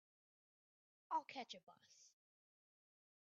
I'll catch a bus.